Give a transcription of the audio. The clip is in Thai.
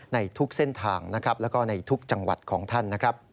ในทุกเส้นทางและทุกจังหวัดของท่าน